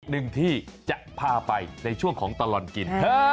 หนึ่งที่จะพาไปในช่วงของตลอดกิน